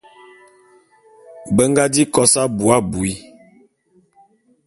Be nga di kos abui abui.